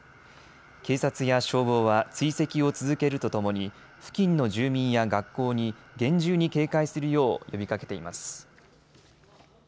警察や消防は追跡を続けるとともに付近の住民や学校に厳重に警戒するよう呼びかけています。